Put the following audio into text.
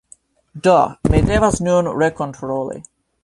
Do, mi devas nun rekontroli